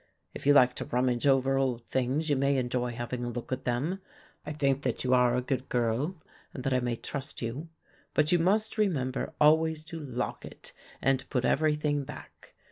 If you like to rummage over old things you may enjoy having a look at them. I think that you are a good girl and that I may trust you, but you must remember always to lock it and put everything back.